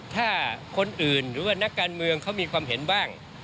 ถ้าคนอื่นหรือว่านักการเมืองเขามีความเห็นบ้าง